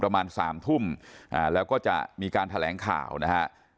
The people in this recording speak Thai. ประมาณสามทุ่มแล้วก็จะมีการแถลงข่าวนะฮะ